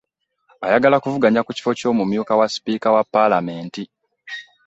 Ayagala okuvuganya ku kifo ky'omumyuka wa Sipiika wa palamenti